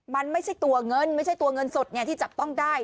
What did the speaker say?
มันไม่ใช่ตัวเงินไม่ใช่ตัวเงินสดที่จับต้องได้